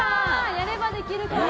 やればできるから。